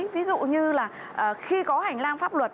ví dụ như là khi có hành lang pháp luật